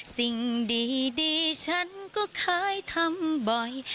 สิ่งดีฉันก็เคยทำบ่อย